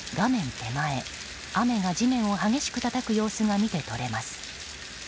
手前、雨が地面を激しくたたく様子が見て取れます。